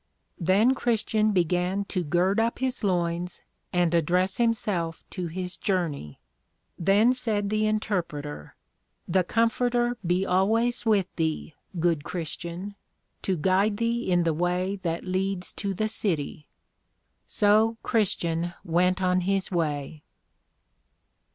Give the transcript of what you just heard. Then Christian began to gird up his loins, and address himself to his Journey. Then said the Interpreter, The Comforter be always with thee, good Christian, to guide thee in the way that leads to the City. So Christian went on his way.